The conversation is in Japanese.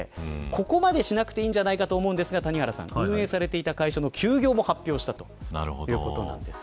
ここまでしなくてはいいんじゃないかと思いますが、谷原さん運営されている会社の休業も発表されたということです。